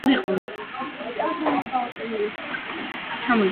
ყველა დისკს ახლავს დამატებითი სიმღერები, ალტერნატიული მიქსები და სინგლების ვარიანტები.